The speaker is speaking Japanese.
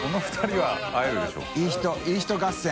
いたいい人合戦。